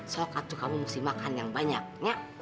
sok atuh kamu mesti makan yang banyak nya